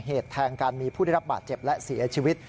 เหตุแทงกันมีผู้ได้รับบาดเจ็บและเสียชีวิต